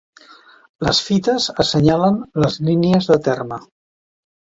Les fites assenyalen les línies de terme.